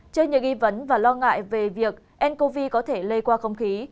chơi những nghi vấn và lo ngại về việc ncov có thể lây qua không khí